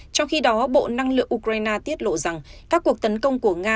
trong khi đó bộ năng lượng ukraine tiết lộ rằng các cuộc tấn công của nga